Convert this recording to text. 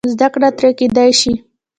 زده کړه ترې کېدای شي.